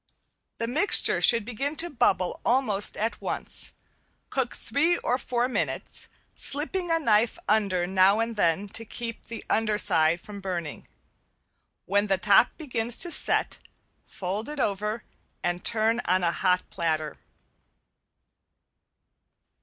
The mixture should begin to bubble almost at once; cook three or four minutes, slipping a knife under now and then to keep the under side from burning. When the top begins to set, fold it over and turn on a hot platter.